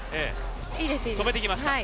止めていきました。